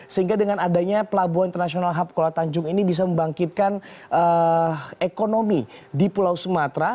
sehingga dengan adanya pelabuhan international hub kuala tanjung ini bisa membangkitkan ekonomi di pulau sumatera